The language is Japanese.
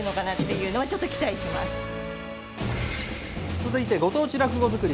続いて、ご当地落語づくり